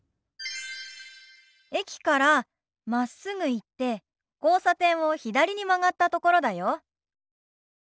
駅からまっすぐ行って交差点を左に曲がったところだよ。